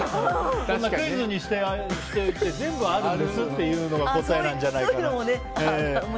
クイズにしておいて全部あるんですっていうのが答えなんじゃないかなって。